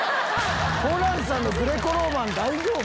ホランさんのグレコローマン大丈夫？